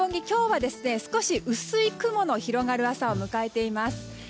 今日は少し薄い雲の広がる朝を迎えています。